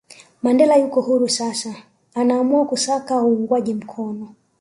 Mandela yuko huru sasa anaamua kusaka uungwaji mkono